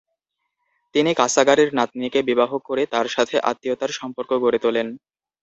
তিনি কাসাগারির নাতনীকে বিবাহ করে তার সাথে আত্মীয়তার সম্পর্ক গড়ে তোলেন।